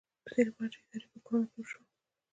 ددې لپاره چې د ادارې په کړنو پوه شو.